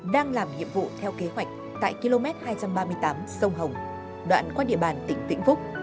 đang làm nhiệm vụ theo kế hoạch tại km hai trăm ba mươi tám sông hồng đoạn qua địa bàn tỉnh vĩnh phúc